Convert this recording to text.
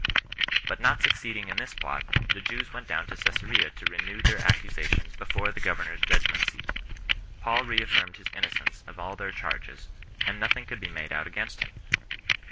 But not suc ceeding in this plot, the Jews went down to Cesarea to renew their accusations before the governor's judgment seat. Paul reaffirmed his innocence of all their charges, and nothing could be made out against him.